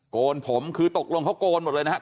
โกนผมคือตกลงเขาโกนหมดเลยนะครับ